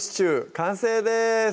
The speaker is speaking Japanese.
完成です